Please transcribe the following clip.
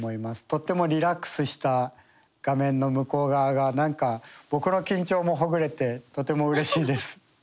とってもリラックスした画面の向こう側が何か僕の緊張もほぐれてとてもうれしいです。